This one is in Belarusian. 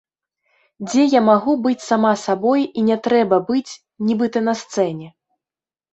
Дзе я магу быць сама сабой і не трэба быць, нібыта на сцэне.